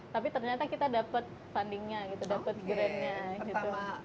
tapi ternyata kita dapat funding nya gitu dapat grant nya gitu